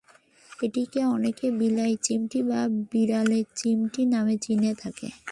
এটিকে অনেকে বিলাই-চিমটি বা বিড়ালের-চিমটি নামেও চিনে থাকে।